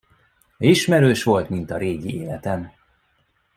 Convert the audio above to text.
Ismerős volt, mint a régi életem.